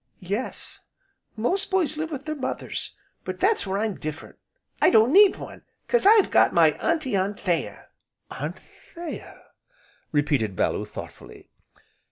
"Yes; most boys live with their mothers, but that's where I'm different, I don't need one 'cause I've got my Auntie Anthea." "Anthea!" repeated Bellew, thoughtfully.